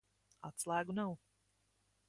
Atslēgu nav.